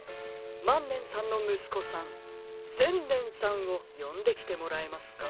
まんねんさんのむすこさんせんねんさんをよんできてもらえますか？